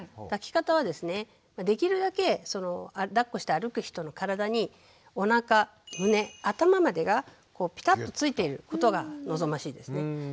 抱き方はですねできるだけだっこして歩く人の体におなか胸頭までがぴたっとついていることが望ましいですね。